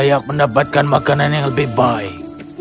dan aku akan mendapatkan makanan yang lebih baik